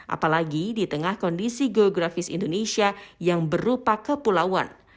apalagi di tengah kondisi geografis indonesia yang berupa kepulauan